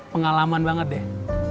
pengalaman banget deh